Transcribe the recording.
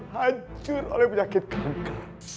hancur oleh penyakit kanker